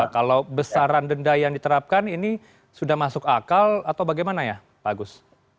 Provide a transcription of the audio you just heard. kalau besaran denda yang diterapkan ini sudah masuk akal atau bagaimana ya pak agus